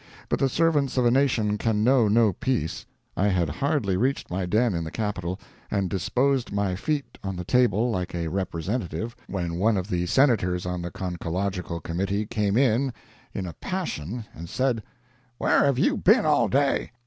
But the servants of a nation can know no peace. I had hardly reached my den in the Capitol, and disposed my feet on the table like a representative, when one of the Senators on the Conchological Committee came in in a passion and said: "Where have you been all day?"